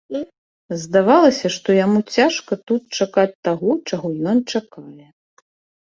Здавалася, што яму цяжка тут чакаць таго, чаго ён чакае.